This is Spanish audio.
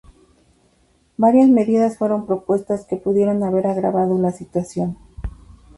Varias medidas fueron propuestas que pudieron haber agravado la situación.